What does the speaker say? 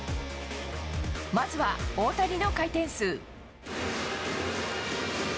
まずは大谷の回転数。